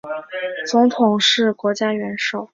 总统是国家元首和政府首脑和武装力量最高统帅。